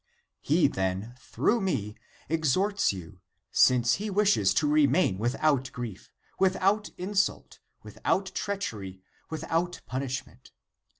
He, then, through me, exhorts you, since he wishes to remain without grief, with out insult, without treachery, without punishment.